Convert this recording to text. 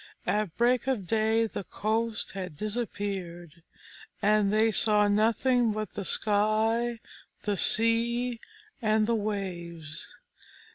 At break of day the coast had disappeared, and they saw nothing but the sky, the sea, and the waves.